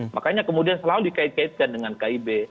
makanya kemudian selalu dikait kaitkan dengan kib